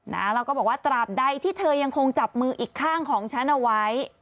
แล้วก็บอกว่าตราบใดที่เธอยังคงจับมืออีกข้างของฉันเอาไว้